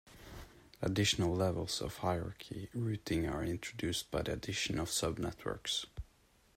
Additional levels of hierarchical routing are introduced by the addition of subnetworks.